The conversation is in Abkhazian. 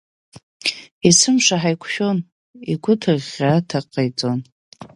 Есымша ҳаиқәшәон, игәы ҭыӷьӷьаа аҭак ҟаиҵон.